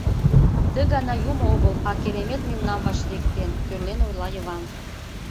— Ты гана Юмо огыл, а Керемет мемнам вашлийыктен, — тӧрлен ойла Йыван.